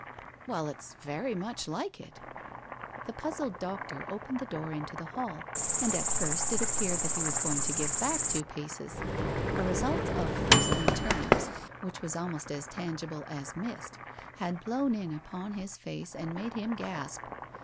"Well, it's very much like it." The puzzled doctor opened the door into the hall, and at first it appeared that he was going to give back two paces. A result of frizzling turnips, which was almost as tangible as mist, had blown in upon his face and made him gasp.